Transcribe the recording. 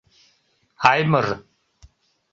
Аймыр.